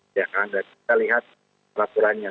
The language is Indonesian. dan kita lihat laporannya